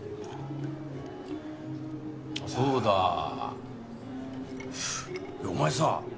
そうだお前さ